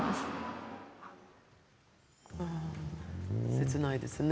切ないですね